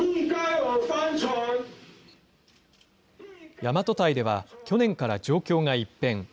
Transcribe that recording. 大和堆では、去年から状況が一変。